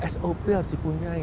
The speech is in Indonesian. sop harus dipunyai